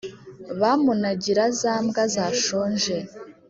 bamunagira za mbwa zashonje,